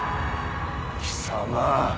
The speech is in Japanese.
貴様！